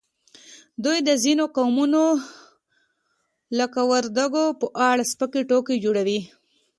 دوی د ځینو قومونو لکه وردګو په اړه سپکې ټوکې جوړوي